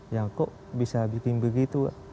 ya kok bisa bikin begitu